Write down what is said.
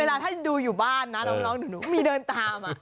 เวลาถ้าดูอยู่บ้านนะน้องหนูมีเดินตาม